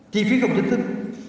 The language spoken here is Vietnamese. chi phí không chính thức